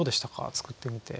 作ってみて。